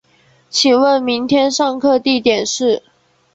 请问明天上课地点是